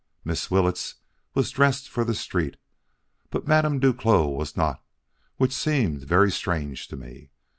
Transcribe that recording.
Miss Willetts was dressed for the street, but Madame Duclos was not, which seemed very strange to me.